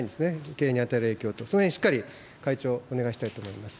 経営に与える影響と、そのへん、しっかり会長、お願いしたいと思います。